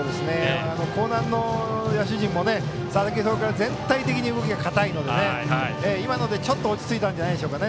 興南の野手陣も全体的に動きが硬いので今のでちょっと落ち着いたんじゃないでしょうか